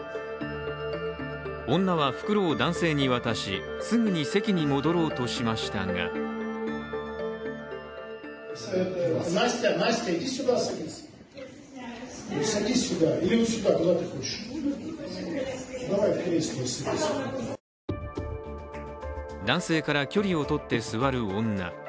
女は、袋を男性に渡しすぐに席に戻ろうとしましたが男性から距離を取って座る女。